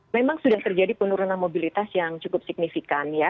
memang sudah terjadi penurunan mobilitas yang cukup signifikan ya